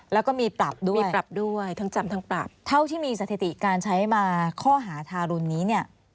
แล้วก็มีปรับด้วยมีปรับด้วยทั้งจำทั้งปรับเท่าที่มีสถิติการใช้มาข้อหาทารุณนี้เนี่ย